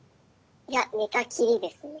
いや寝たきりですね。